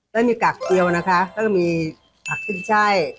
จะมีกากเจียวนะคะก็จะมีผักชิ้นไช้